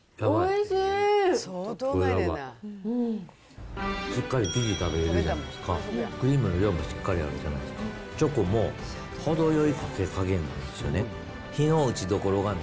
しっかり生地食べれるじゃないですか、クリームの量もしっかりあるじゃないですか、チョコもほどよい溶け加減なんですよね。